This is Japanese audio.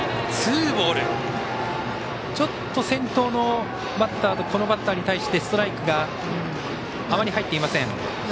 ちょっと、先頭のバッターとこのバッターに対してストライクがあまり入っていません。